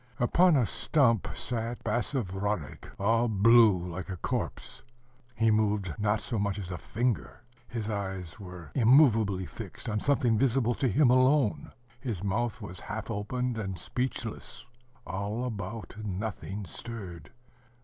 Upon a stump sat Basavriuk, all blue like a corpse. He moved not so much as a finger. His eyes were immovably fixed on something visible to him alone: his mouth was half open and speechless. All about, nothing stirred.